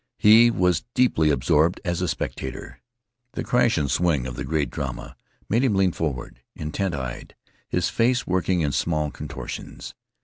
He was deeply absorbed as a spectator. The crash and swing of the great drama made him lean forward, intent eyed, his face working in small contortions.